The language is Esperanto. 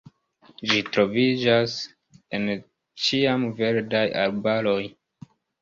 Ĝi troviĝas en ĉiamverdaj arbaroj.